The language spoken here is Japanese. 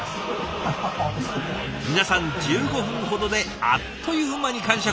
皆さん１５分ほどであっという間に完食。